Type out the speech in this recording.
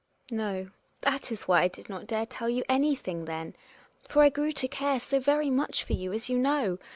No; that is why I did not dare tell you any thing then. For I grew to care so very much for you, as you know.